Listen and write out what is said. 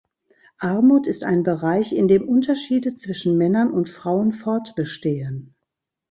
Armut ist ein Bereich, in dem Unterschiede zwischen Männern und Frauen fortbestehen.